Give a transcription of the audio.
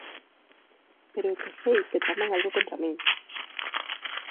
Pero é que sei que algo traman contra min.